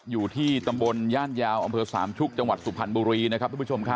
อยู่ที่ตำบลย่านยาวอำเภอสามชุกจังหวัดสุพรรณบุรีนะครับทุกผู้ชมครับ